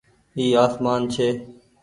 اي آسمان ڇي۔